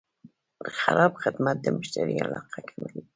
خراب خدمت د مشتری علاقه کموي.